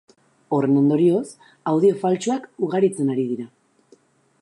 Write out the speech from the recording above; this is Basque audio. Horren ondorioz, audio faltsuak ugaritzen ari dira.